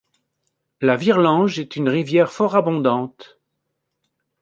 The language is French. La Virlange est une rivière fort abondante.